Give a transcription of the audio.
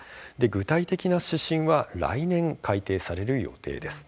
具体的な指針は来年、改定される予定です。